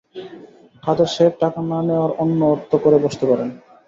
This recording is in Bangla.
কাদের সাহেব টাকা না নেয়ার অন্য অর্থ করে বসতে পারেন!